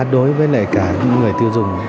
đối với cả những người tiêu dùng